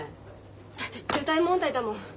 だって重大問題だもん。